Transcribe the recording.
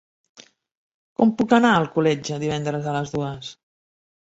Com puc anar a Alcoletge divendres a les dues?